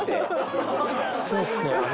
そうですね。